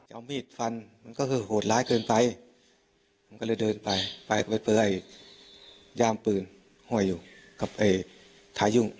เอามีดฟันก็คือโหดร้ายเกินไปก็เลยเดินไปเพื่อย่ามปืนห้วยอยู่ถ่ายุ่ง